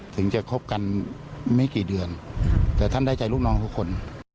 ถึงจะคบกันไม่กี่เดือนแต่ท่านได้ใจลูกน้องทุกคน